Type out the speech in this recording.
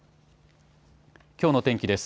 きょうの天気です。